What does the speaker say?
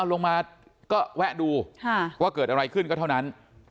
ลงมาก็แวะดูว่าเกิดอะไรขึ้นก็เท่านั้น